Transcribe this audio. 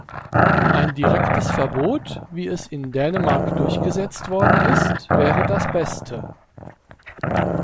Ein direktes Verbot, wie es in Dänemark durchgesetzt worden ist, wäre das Beste.